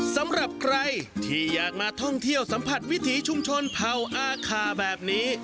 สำหรับใครที่อยากมาท่องเที่ยวสัมผัสวิถีชุมชนเผ่าอาคาแบบนี้